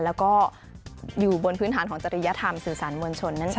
แล้วก็อยู่บนพื้นฐานของจริยธรรมสื่อสารมวลชนนั่นเอง